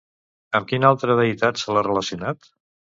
Amb quina altra deïtat se l'ha relacionat?